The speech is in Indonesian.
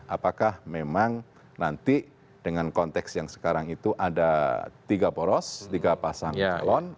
apakah memang nanti dengan konteks yang sekarang itu ada tiga poros tiga pasang calon